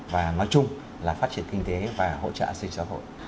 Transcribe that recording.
và nói chung là phát triển kinh tế và hỗ trợ an sinh xã hội